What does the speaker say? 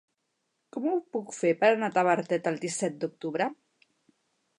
Com ho puc fer per anar a Tavertet el disset d'octubre?